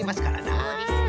そうですね。